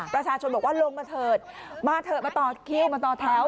ประชาชนบอกว่าลงมาเถิดมาเถอะมาต่อคิวมาต่อแถว